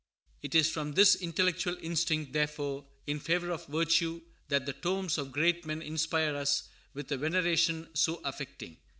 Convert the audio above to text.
"It is from this intellectual instinct, therefore, in favor of virtue, that the tombs of great men inspire us with a veneration so affecting.